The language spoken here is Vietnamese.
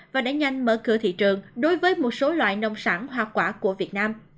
và đã nhanh mở cửa thị trường đối với một số loại nông sản hoa quả của việt nam